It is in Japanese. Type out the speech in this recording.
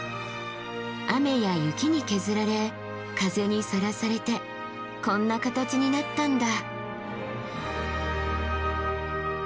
雨や雪に削られ風にさらされてこんな形になったんだ。